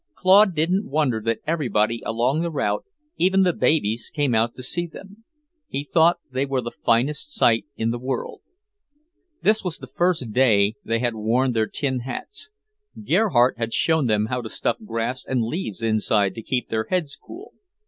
Claude didn't wonder that everybody along the route, even the babies, came out to see them; he thought they were the finest sight in the world. This was the first day they had worn their tin hats; Gerhardt had shown them how to stuff grass and leaves inside to keep their heads cool.